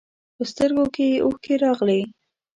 په سترګو کې یې اوښکې راغلې.